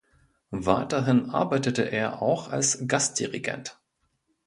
Weiterhin arbeitete er auch als Gast-Dirigent.